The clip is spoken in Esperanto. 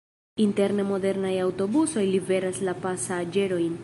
Interne modernaj aŭtobusoj liveras la pasaĝerojn.